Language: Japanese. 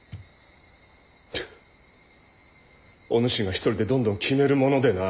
フッお主が一人でどんどん決めるものでなあ。